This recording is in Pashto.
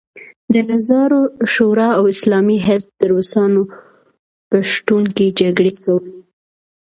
د نظار شورا او اسلامي حزب د روسانو په شتون کې جګړې کولې.